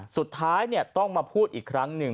สุดท้ายเนี่ยต้องมาพูดอีกครั้งนึง